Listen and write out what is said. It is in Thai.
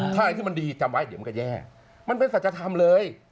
ถ้าอะไรที่มันดีจำไว้เดี๋ยวมันก็แย่มันเป็นสัจธรรมเลย